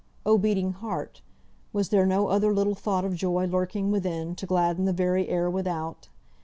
Oh! beating heart! was there no other little thought of joy lurking within, to gladden the very air without?